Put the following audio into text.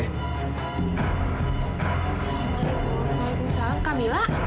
assalamualaikum waalaikumsalam kamila